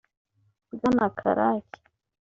Bwana Karake